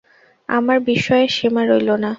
আমার বিস্ময়ের সীমা রইল না।